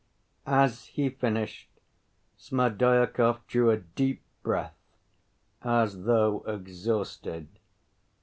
As he finished, Smerdyakov drew a deep breath, as though exhausted.